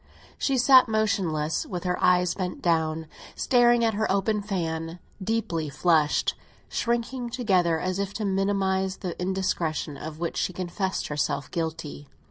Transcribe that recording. She sat motionless, with her eyes bent down, staring at her open fan, deeply flushed, shrinking together as if to minimise the indiscretion of which she confessed herself guilty.